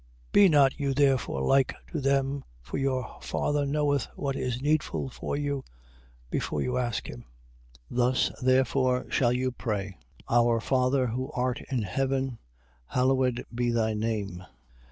6:8. Be not you therefore like to them for your Father knoweth what is needful for you, before you ask him. 6:9. Thus therefore shall you pray: Our Father who art in heaven, hallowed be thy name.